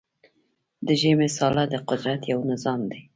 د ژمی ساړه د قدرت یو نظام دی.